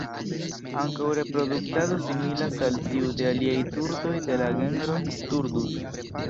Ankaŭ reproduktado similas al tiu de aliaj turdoj de la genro "Turdus".